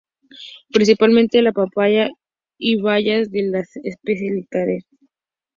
Especialmente de papaya y bayas de la especie "Lantana".